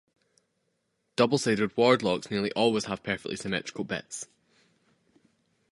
Double sided ward locks nearly always have perfectly symmetrical bits.